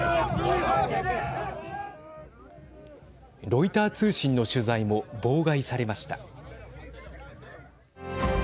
ロイター通信の取材も妨害されました。